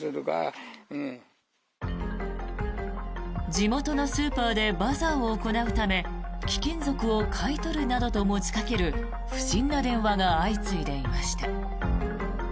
地元のスーパーでバザーを行うため貴金属を買い取るなどと持ちかける不審な電話が相次いでいました。